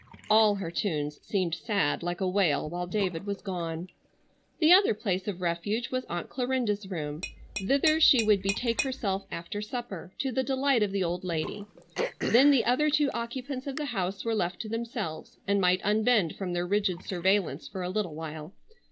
All her tunes seemed sad like a wail while David was gone. The other place of refuge was Aunt Clarinda's room. Thither she would betake herself after supper, to the delight of the old lady. Then the other two occupants of the house were left to themselves and might unbend from their rigid surveillance for a little while.